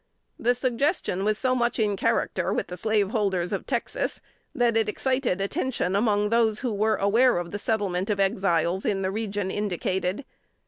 The suggestion was so much in character with the slaveholders of Texas, that it excited attention among those who were aware of the settlement of Exiles in the region indicated.